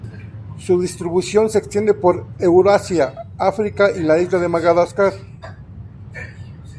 Su distribución se extiende por Eurasia, África y la isla de Madagascar.